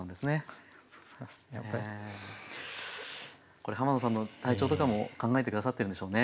これ浜野さんの体調とかも考えて下さってるんでしょうね。